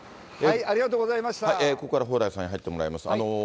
ここからは蓬莱さんに入ってもらいます。